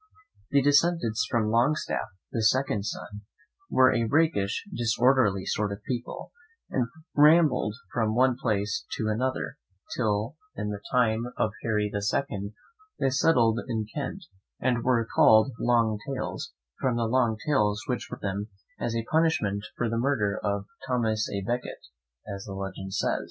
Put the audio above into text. The descendants from Longstaff, the second son, were a rakish, disorderly sort of people, and rambled from one place to another, till, in the time of Harry the Second, they settled in Kent, and were called Long Tails, from the long tails which were sent them as a punishment for the murder of Thomas a Becket, as the legends say.